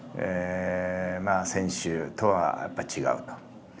「選手とはやっぱり違う」と。